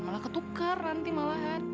malah ketukar nanti malahan